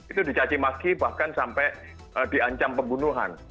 itu dicacimaki bahkan sampai diancam pembunuhan